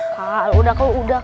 kak udah udah